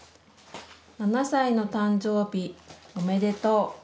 ７歳の誕生日おめでとう。